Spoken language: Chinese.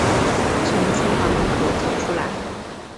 从厨房门口走出来